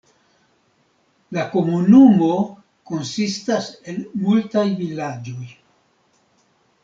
La komunumo konsistas el multaj vilaĝoj.